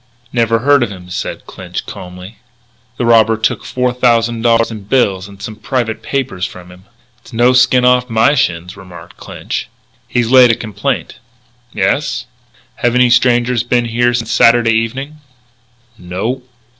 "Never heard of him," said Clinch, calmly. "The robber took four thousand dollars in bills and some private papers from him." "It's no skin off my shins," remarked Clinch. "He's laid a complaint." "Yes?" "Have any strangers been here since Saturday evening?" "No."